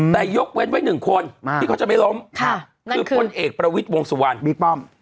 แต่ยกเว้นไว้๑คนที่เขาจะไม่ล้มคือพลเอกประวิดวงสุวรรณ